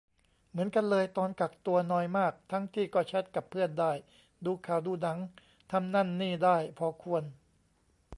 เหมือนกันเลย ตอนกักตัว นอยมาก ทั้งที่ก็แชตกับเพื่อนได้ ดูข่าว ดูหนัง ทำนั่นนี่ได้พอควร